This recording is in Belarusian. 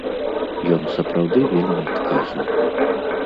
Ён сапраўды вельмі адказны.